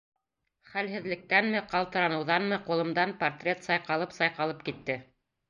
Хәлһеҙлектәнме, ҡалтыраныуҙанмы ҡулымдан портрет сайҡалып-сайҡалып китте.